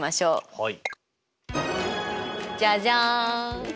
はい。